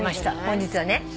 本日はね。